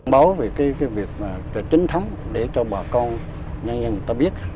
báo về cái việc là chính thống để cho bà con nhanh nhanh người ta biết